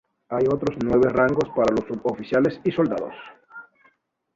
Hay otros nueve rangos para los suboficiales y soldados.